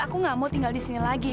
aku gak mau tinggal di sini lagi